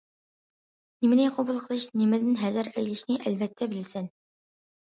نېمىنى قوبۇل قىلىش، نېمىدىن ھەزەر ئەيلەشنى ئەلۋەتتە بىلىسەن.